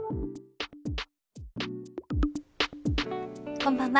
こんばんは。